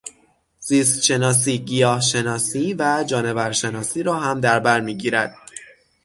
زیستشناسی، گیاه شناسی و جانور شناسی را هم در بر می گیرد.